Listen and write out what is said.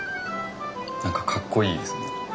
何かかっこいいですよね。